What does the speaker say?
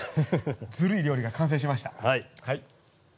ずるい料理が完成しました。